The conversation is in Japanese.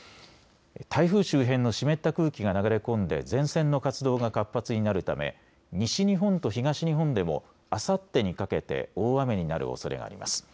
台風周辺の湿った空気が流れ込んで前線の活動が活発になるため西日本と東日本でもあさってにかけて大雨になるおそれがあります。